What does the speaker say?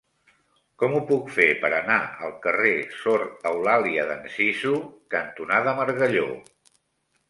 Com ho puc fer per anar al carrer Sor Eulàlia d'Anzizu cantonada Margalló?